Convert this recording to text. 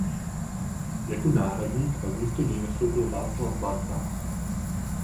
Jako náhradník pak místo něj nastoupil Václav Barták.